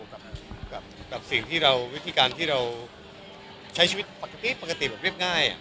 กับวิธีการที่เราใช้ชีวิตปกติปกติเรียบง่าย